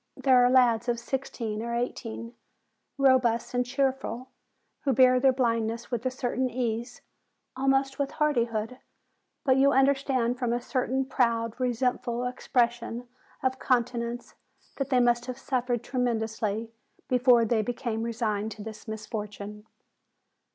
There are lads of sixteen or eighteen, robust and cheerful, who bear their blind ness with a certain ease, almost with hardihood; but you understand from a certain proud, resentful expres sion of countenance that they must have suffered tremendously before they became resigned to this misfortune.